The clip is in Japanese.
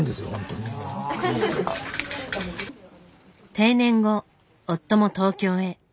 定年後夫も東京へ。